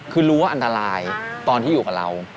คือรู้ว่าอันตรายตอนที่อยู่กับเรา